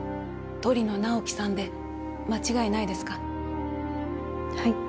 ・鳥野直木さんで間違いないですかはい・